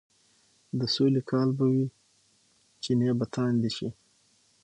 د سولې کال به وي، چينې به تاندې شي،